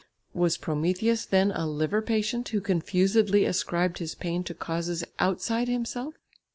Was Prometheus then a liver patient who confusedly ascribed his pain to causes outside himself?